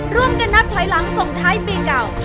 ร่วมกันนับถอยหลังส่งท้ายปีเก่า